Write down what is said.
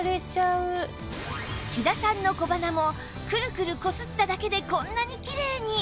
飛騨さんの小鼻もくるくるこすっただけでこんなにきれいに！